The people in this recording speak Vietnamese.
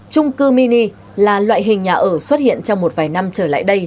trung cư mini là loại hình nhà ở xuất hiện trong một vài năm trở lại đây